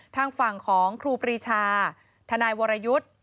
ทางฝั่งของครูปรีชาทนายวรยุทธ์